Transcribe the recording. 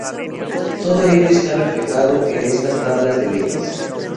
Todo ello está reflejado en estas tablas de leyes.